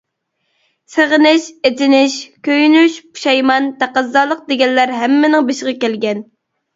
سېغىنىش، ئېچىنىش، كۆيۈش، پۇشايمان، تەقەززالىق دېگەنلەر ھەممىنىڭ بېشىغا كەلگەن.